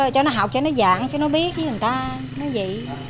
cho nó học cho nó dạng cho nó biết với người ta nói gì